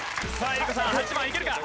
江里子さん８番いけるか？